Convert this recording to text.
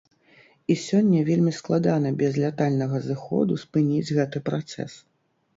І сёння вельмі складана без лятальнага зыходу спыніць гэты працэс.